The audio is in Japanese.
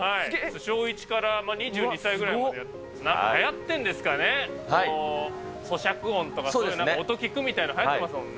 小１から２２歳ぐらいまではやってんですかね、そしゃく音とか音聞くみたいのはやってますもんね。